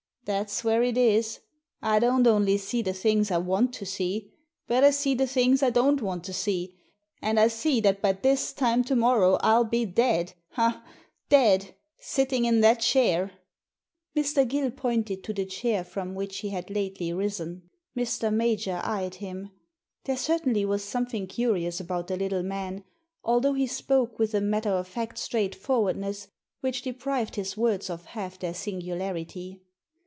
That's where it isl I don't only see the things I want to see, but I see the things I don't want to see ; and I see that by this time to mcMTOw I'll be dead — ah, dead, sitting in that chair." Digitized by VjOOQIC THE TIPSTER 129 Mr. Gill pointed to the chair from which he had lately risen. Mr. Major eyed him. There certainly was something curious about the little man, although he spoke with a matter of fact straightforwardness which deprived his words of half their singularity.